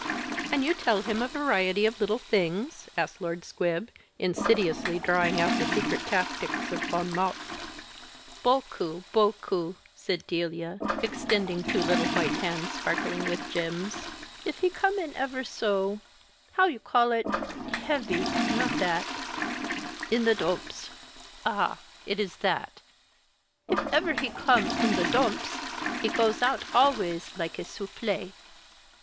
"And you tell him a variety of little things?" asked Lord Squib, insidiously drawing out the secret tactics of Bon Mot. "Beaucoup, beaucoup," said Delia, extending two little white hands sparkling with gems. "If he come in ever so how do you call it? heavy not that in the domps ah! it is that if ever he come in the domps, he goes out always like a _soufflée.